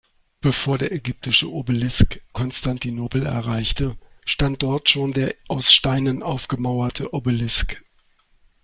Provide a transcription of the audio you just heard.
Bevor der ägyptische Obelisk Konstantinopel erreichte, stand dort schon der aus Steinen aufgemauerte Obelisk.